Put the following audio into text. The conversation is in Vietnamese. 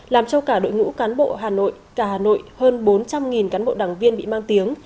làm cho cả đội ngũ cán bộ hà nội cả hà nội hơn bốn trăm linh cán bộ đảng viên bị mang tiếng